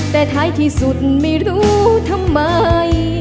แต่ท้ายที่สุดไม่รู้ทำไม